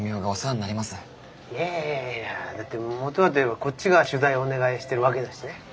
いやいやいやいやだってもとはと言えばこっちが取材をお願いしてるわけだしね。